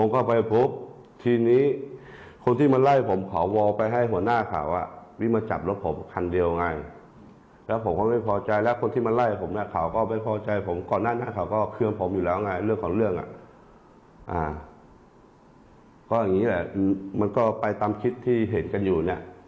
ก็อย่างนี้แหละมันก็ไปตามคลิปที่เห็นกันอยู่เนี่ย